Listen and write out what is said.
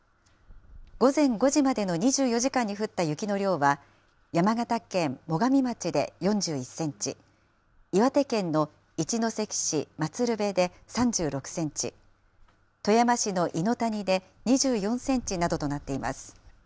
午前５時までの２４時間に降った雪の量は、山形県最上町で４１センチ、岩手県の一関市祭畤で３６センチ、富山市の猪谷で２４センチなどとなっています。